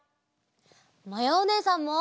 まやおねえさんも！